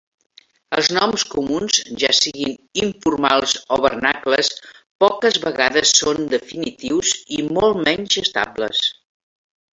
Els noms comuns, ja siguin informals o vernacles, poques vegades són definitius, i molt menys estables.